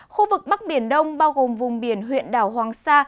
khu vực bắc biển đông bao gồm vùng biển huyện đảo hoàng sa